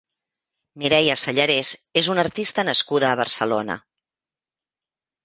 Mireia Sallarès és una artista nascuda a Barcelona.